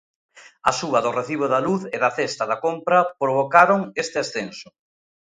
A suba do recibo da luz e da cesta da compra provocaron este ascenso.